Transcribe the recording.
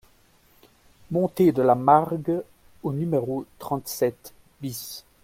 Montee de la Margue au numéro trente-sept BIS